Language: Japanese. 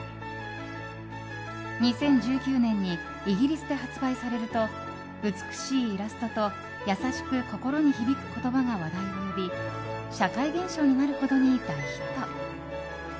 ２０１９年にイギリスで発売されると美しいイラストと優しく心に響く言葉が話題を呼び社会現象になるほどに大ヒット。